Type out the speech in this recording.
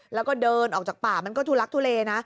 แล้วก็เดินออกจากป่ามันก็ทุลักทุเลนะ